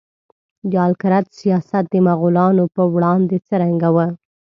د آل کرت سیاست د مغولانو په وړاندې څرنګه و؟